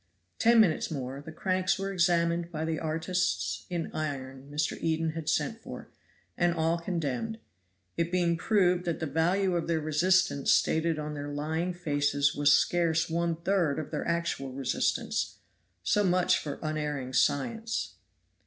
Ten minutes more, the cranks were examined by the artists in iron Mr. Eden had sent for, and all condemned, it being proved that the value of their resistance stated on their lying faces was scarce one third of their actual resistance. So much for unerring* science!